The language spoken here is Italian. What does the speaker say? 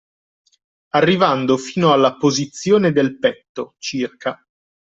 Arrivando fino alla posizione del petto circa.